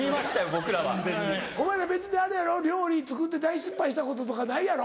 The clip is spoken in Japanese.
僕らは。お前ら別に料理作って大失敗したこととかないやろ？